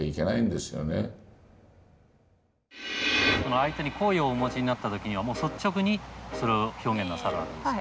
相手に好意をお持ちになった時には率直にそれを表現なさるわけですか？